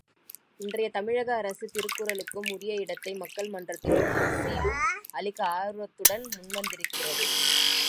இன்றையத் தமிழக அரசு திருக்குறளுக்கு உரிய இடத்தை மக்கள் மன்றத்திலும், அரசிலும் அளிக்க ஆர்வத்துடன் முன்வந்திருக்கிறது.